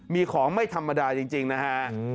มีของไม่ธรรมดาจริงนะฮะ